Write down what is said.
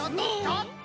ちょっと！